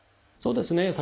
そうですね。